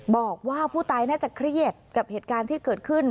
บอกว่าผู้ตายน่าจะเครียดกับเหตุการณ์ที่เกิดขึ้น